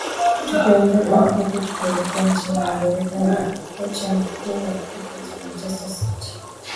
tukiondoka huku tukielekea nchini uingereza kocha mkuu wa kablu ya manchester city